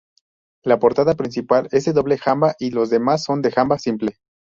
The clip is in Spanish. La portada principal es de doble jamba y las demás son de jamba simple.